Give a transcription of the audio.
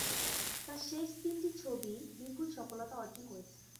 তার শেষ তিনটি ছবিই বিপুল সফলতা অর্জন করেছে।